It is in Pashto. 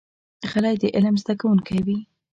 غلی، د علم زده کوونکی وي.